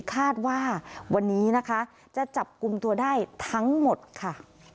คาดว่าวันนี้นะคะจะจับกลุ่มตัวได้ทั้งหมดค่ะ